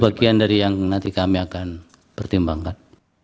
bagian dari yang nanti kami akan pertimbangkan